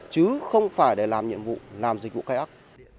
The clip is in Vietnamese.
chứ không phải để làm nhiệm vụ làm dịch vụ cây ắc